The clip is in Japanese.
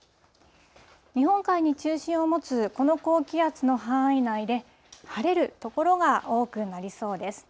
日本海に中心を持つこの高気圧の範囲内で、晴れる所が多くなりそうです。